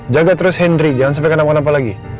jaga terus henry jangan sampai kenapa kenapa lagi